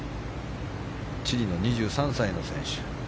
チリの２３歳の選手。